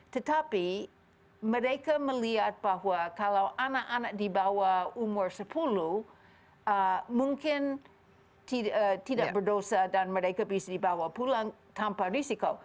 tetapi mereka melihat bahwa kalau anak anak di bawah umur sepuluh mungkin tidak berdosa dan mereka bisa dibawa pulang tanpa risiko